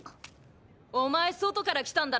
お前外から来たんだろ！